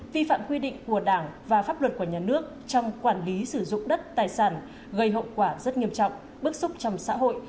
vi phạm quy định của đảng và pháp luật của nhà nước trong quản lý sử dụng đất tài sản gây hậu quả rất nghiêm trọng bức xúc trong xã hội